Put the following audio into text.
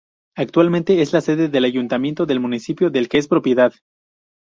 Actualmente es la sede del ayuntamiento del municipio, del que es propiedad.